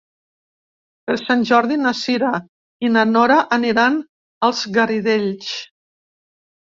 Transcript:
Per Sant Jordi na Cira i na Nora aniran als Garidells.